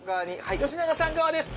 吉永さん側です。